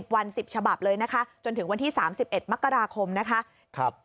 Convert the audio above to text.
วัน๑๐ฉบับเลยนะคะจนถึงวันที่๓๑มกราคมนะคะ